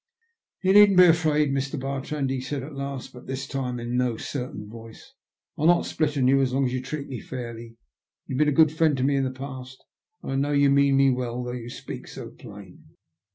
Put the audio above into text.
Tou needn't be afraid, Mr. Bartrand/' he said at last, but this time in no certain voice. '' I'll not split on you as long as you treat me fairly. Tou've been a good friend to me in the past, and I know you mean me well though you speak so plain."